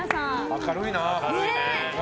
明るいな。